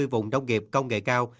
hai mươi vùng nông nghiệp công nghệ cao